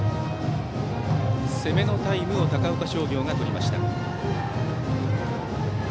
攻めのタイムを高岡商業がとりました。